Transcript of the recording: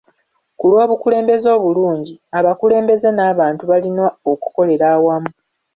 Ku lw'obukulembeze obulungi, abakulembeze n'abantu balina okukolera awamu.